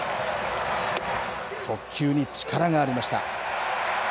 速球に力がありました。